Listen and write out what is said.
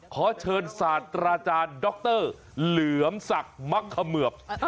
ขอเชิญศาสตราจารย์ดรเหลือมศักดิ์มักเขมือบ